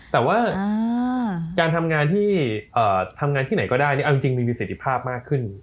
แต่ว่าการทำงานที่ไหนก็ได้เอาจริงมีสิทธิภาพมากขึ้น